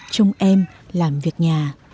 trông em làm việc nhà